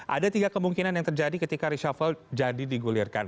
ada tiga kemungkinan yang terjadi ketika reshuffle jadi digulirkan